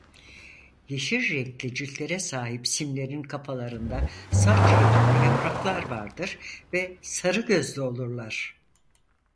Yeşil renkli ciltlere sahip Sim'lerin kafalarında saç yerine yapraklar vardır ve sarı gözlü olurlar.